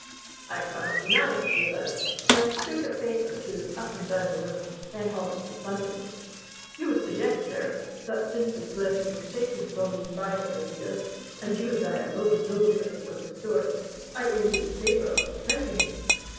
'I cannot deny it,' he allowed, and took a pace or two up and down the room, then halted in front of me. 'You would suggest, sir, that since this letter was taken from me by the partidas, and you and I alone know that it was restored, I owe you the favour of suppressing it.'